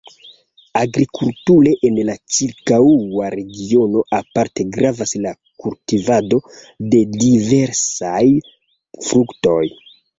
Agrikulture en la ĉirkaŭa regiono aparte gravas la kultivado de diversaj fruktoj.